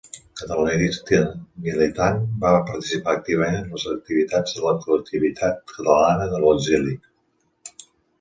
Catalanista militant, va participar activament en les activitats de la col·lectivitat catalana des de l'exili.